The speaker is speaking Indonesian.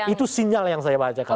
itu sinyal yang saya baca kalau ini